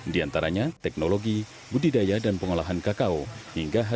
di antaranya teknologi budidaya dan pengolahan kesehatan